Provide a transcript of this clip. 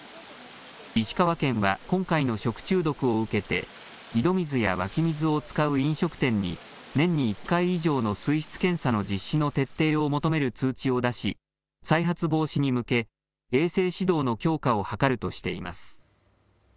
石川県は今回の食中毒を受けて井戸水や湧き水を使う飲食店に年に１回以上の水質検査の実施の徹底を求める通知を出し再発防止に向け衛生指導の強化を図るとしています。